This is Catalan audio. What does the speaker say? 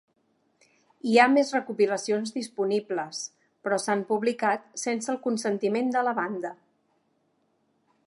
Hi ha més recopilacions disponibles, però s'han publicat sense el consentiment de la banda.